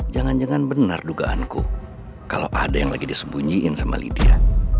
jangan jangan benar dugaanku kalau ada yang lagi disembunyiin sama lydia